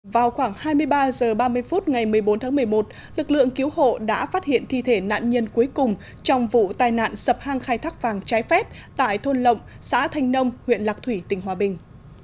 vào khoảng hai mươi ba h ba mươi phút ngày một mươi bốn tháng một mươi một lực lượng cứu hộ đã phát hiện thi thể nạn nhân cuối cùng trong vụ tai nạn sập hang khai thác vàng trái phép tại thôn lộng xã thanh nông huyện lạc thủy tỉnh hòa bình